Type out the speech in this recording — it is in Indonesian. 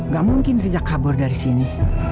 gambar nya baru bersini